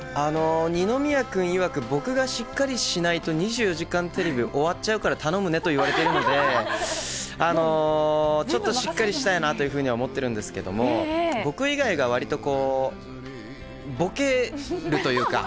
二宮君いわく、僕がしっかりしないと、２４時間テレビ終わっちゃうから頼むねと言われているので、ちょっとしっかりしたいなというふうには思ってるんですけども、僕以外がわりとこう、ボケるというか。